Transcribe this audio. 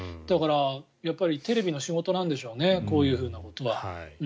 だからテレビの仕事なんでしょうねこういうことは。